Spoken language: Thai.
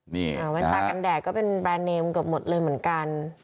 นี่แว่นตากันแดดก็เป็นแบรนด์เนมเกือบหมดเลยเหมือนกัน